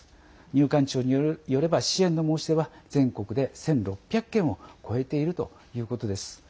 入管庁によれば支援の申し出は全国で１６００件を超えているということです。